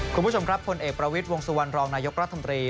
คุณผู้ชมครับผลเอกประวิทย์วงสุวรรณรองนายกรัฐมนตรี